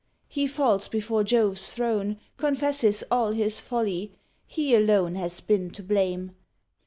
he falls before Jove's throne, Confesses all his folly: he alone Has been to blame.